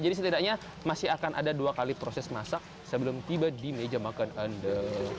jadi setidaknya masih akan ada dua kali proses masak sebelum tiba di meja makan anda